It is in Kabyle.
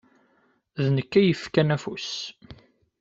D nekk ay yefkan afus.